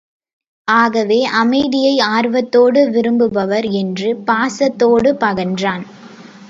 ஆகவே, அமைதியை, ஆர்வத்தோடு விரும்புவர் என்று பரவசத்தோடு பகன்றார்.